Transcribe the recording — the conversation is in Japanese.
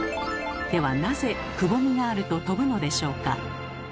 ではなぜくぼみがあると飛ぶのでしょうか？